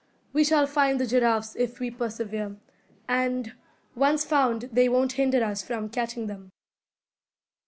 We shall find the giraffes if we persevere; and, once found, they won't hinder us from catching them."